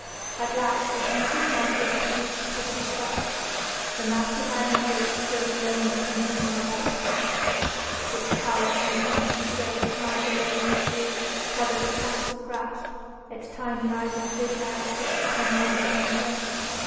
At last Hortensius Martius had reached the foot of the steps. The massive iron gates stood alone between him and the black panther, which cowered some twenty feet away behind a low monticule covered with tufts of grass, its tiny eyes of topaz fixed upon the oncoming prey.